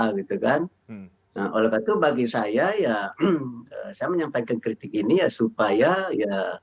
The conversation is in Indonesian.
oleh karena itu bagi saya saya menyampaikan kritik ini supaya pemerintah betul betul pedulilah